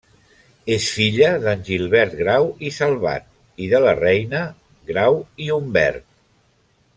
És filla d'en Gilbert Grau i Salvat, i de la Reina Grau i Humbert.